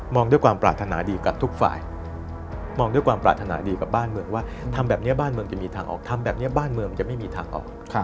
ด้วยความปรารถนาดีกับทุกฝ่ายมองด้วยความปรารถนาดีกับบ้านเมืองว่าทำแบบนี้บ้านเมืองจะมีทางออกทำแบบนี้บ้านเมืองมันจะไม่มีทางออก